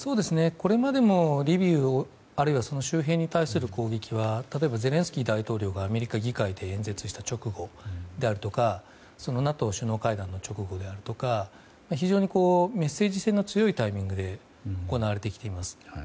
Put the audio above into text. これまでも、リビウあるいは周辺に対する攻撃は例えば、ゼレンスキー大統領がアメリカ議会で演説した直後であるとかＮＡＴＯ首脳会談の直後であるとか非常にメッセージ性の強いタイミングで行われてきています。